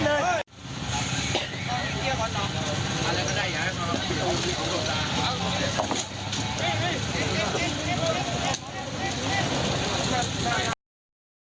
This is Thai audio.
เอาละเอาละเอาละ